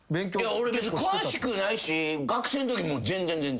俺詳しくないし学生のときも全然全然。